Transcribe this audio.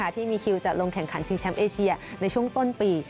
ที่มีคิวจะลงแข่งขันชิงแชมป์เอเชียในช่วงต้นปี